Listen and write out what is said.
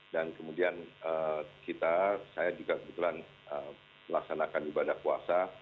dan kemudian kita saya juga kebetulan melaksanakan ibadah puasa